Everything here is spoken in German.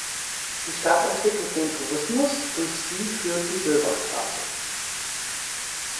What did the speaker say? Die Stadt entwickelt den Tourismus, durch sie führt die Silberstraße.